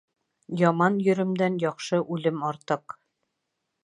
Яман йөрөмдән яҡшы үлем артыҡ.